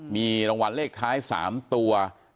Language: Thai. มีรางวัลเลขท้าย๓ตัว